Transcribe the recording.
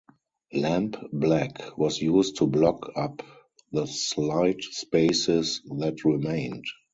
Lampblack was used to block up the slight spaces that remained.